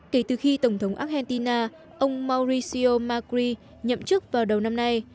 kể từ khi tổng thống argentina ông mauricio macri nhậm chức vào đầu năm nay